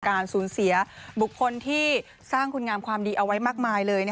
การสูญเสียบุคคลที่สร้างคุณงามความดีเอาไว้มากมายเลย